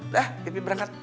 dah pipi berangkat